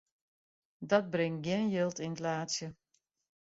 Dat bringt gjin jild yn it laadsje.